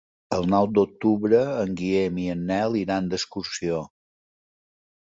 El nou d'octubre en Guillem i en Nel iran d'excursió.